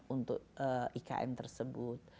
untuk ikn tersebut